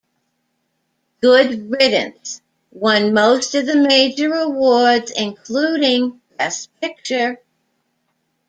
"Good Riddance" won most of the major awards, including Best Picture.